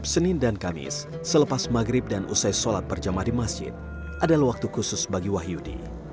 pada waktu maghrib dan usai sholat perjamah di masjid adalah waktu khusus bagi wahyudi